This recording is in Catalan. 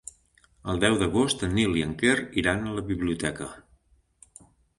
El deu d'agost en Nil i en Quer iran a la biblioteca.